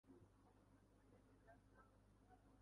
• Xiradmand — kamol tolibi, nodon — mol talabgori.